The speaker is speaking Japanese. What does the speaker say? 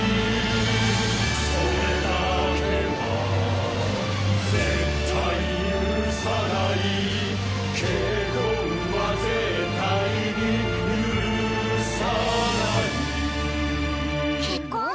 「それだけは絶対許さない」「結婚は絶対に許さない」けっこん？